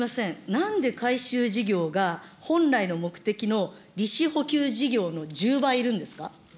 なんで回収事業が、本来の目的の利子補給事業の１０倍いるんですか。